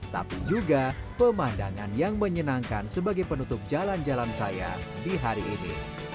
tapi juga pemandangan yang menyenangkan sebagai penutup jalan jalan saya di hari ini